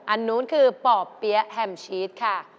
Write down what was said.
อันนู้นคือป่อเปี๊ยะแฮมชีสค่ะ